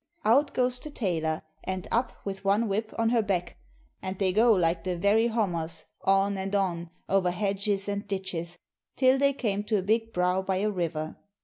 Out goes the tailor, and up, with one whip, on her back, and they go like the very hommers, on and on, over hedges and ditches, till they came to a big brow by a river.